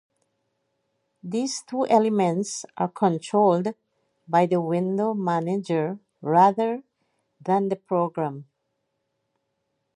These two elements are controlled by the window manager rather than the program.